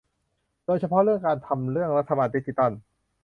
โดยเฉพาะเรื่องการทำเรื่องรัฐบาลดิจิทัล